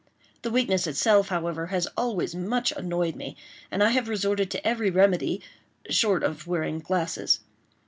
The weakness itself, however, has always much annoyed me, and I have resorted to every remedy—short of wearing glasses.